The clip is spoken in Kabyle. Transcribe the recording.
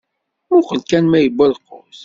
Muqqel kan ma yewwa lqut?